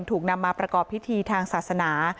ถูกนำมาประกอบพิธีทางศาสนา